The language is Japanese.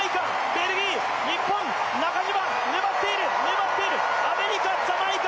ベルギー日本中島粘っている粘っているアメリカジャマイカ